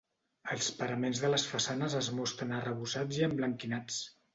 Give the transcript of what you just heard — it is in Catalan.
Els paraments de les façanes es mostren arrebossats i emblanquinats.